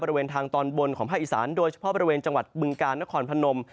บริเวณทางตอนบนของภาคอีสานโดยเฉพาะบริเวณจังหวัดบึงกาลนครพนม